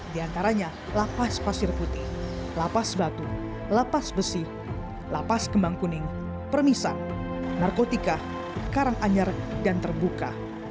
di antaranya lapas pasir putih lapas batu lapas besi lapas kembang kuning permisan narkotika karanganyar dan terbuka